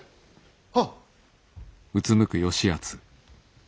はっ。